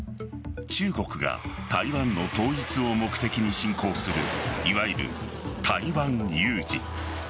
中国が台湾の統一を目的に侵攻するいわゆる台湾有事。